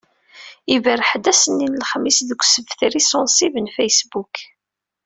Iberreḥ-d ass-nni n lexmis deg usebter-is unṣib n Facebook.